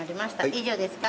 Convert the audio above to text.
以上ですか？